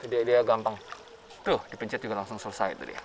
dia dia gampang tuh dipencet juga langsung selesai itu dia